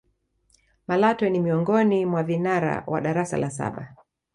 malatwe ni miongoni mwa vinara wa darasa la saba